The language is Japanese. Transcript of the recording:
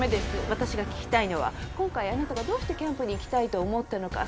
私が聞きたいのは今回あなたがどうしてキャンプに行きたいと思ったのか。